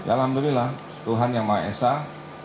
alhamdulillah tuhan yang maesah